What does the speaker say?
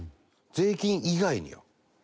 税金以外に？